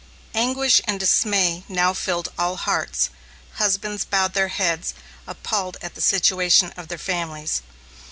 Anguish and dismay now filled all hearts. Husbands bowed their heads, appalled at the situation of their families.